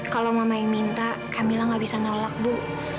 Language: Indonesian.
kalau mama yang minta kamila gak bisa nolak bu